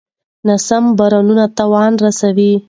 ناسم باورونه تاوان رسوي.